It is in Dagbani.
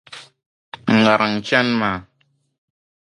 N ŋariŋ n chani maa!”.